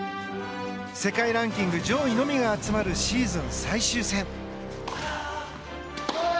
世界ランキング上位のみが集まるシーズン最終戦。